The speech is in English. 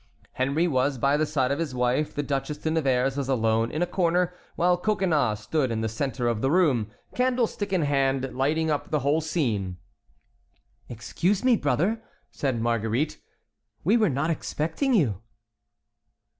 Henry was by the side of his wife, the Duchesse de Nevers was alone in a corner, while Coconnas stood in the centre of the room, candle stick in hand, lighting up the whole scene. "Excuse me, brother," said Marguerite, "we were not expecting you."